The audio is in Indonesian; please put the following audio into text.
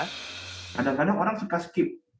kadang kadang orang suka skip